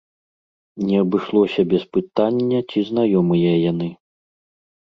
Не абышлося без пытання, ці знаёмыя яны.